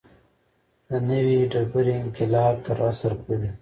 د نوې ډبرې انقلاب تر عصر پورې.